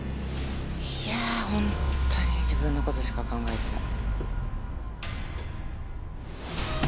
いやホントに自分のことしか考えてない。